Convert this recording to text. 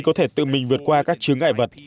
có thể tự mình vượt qua các chướng ngại vật